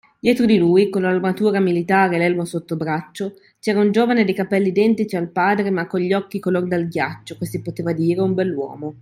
Dietro di lui, con l’armatura militare e l’elmo sottobraccio, c’era un giovane dai capelli identici al padre ma con gli occhi color del ghiaccio, che si poteva dire un bell’uomo.